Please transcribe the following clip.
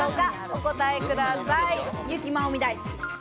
お答えください。